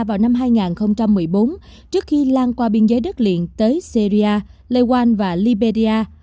vào năm hai nghìn một mươi bốn trước khi lan qua biên giới đất liền tới syria lewan và liberia